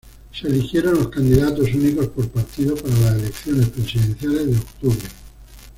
Se eligieron los candidatos únicos por partido para las elecciones presidenciales de octubre.